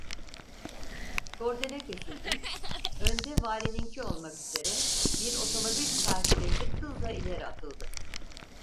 Kordele kesildi, önde valininki olmak üzere, bir otomobil kafilesi hızla ileri atıldı.